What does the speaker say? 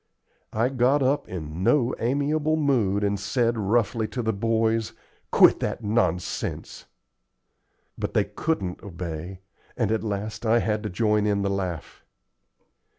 I got up in no amiable mood and said, roughly, to the boys, "Quit that nonsense." But they couldn't obey, and at last I had to join in the laugh.